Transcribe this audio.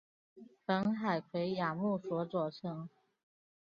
本海葵亚目所组成。